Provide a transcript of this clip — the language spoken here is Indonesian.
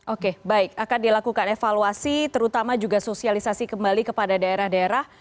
oke baik akan dilakukan evaluasi terutama juga sosialisasi kembali kepada daerah daerah